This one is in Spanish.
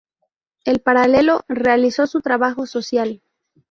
En paralelo realizó su trabajo social.